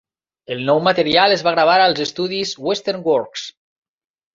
El nou material es va gravar als estudis Western Works.